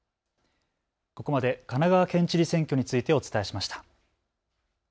ここまで神奈川県知事選挙についてお伝えしました。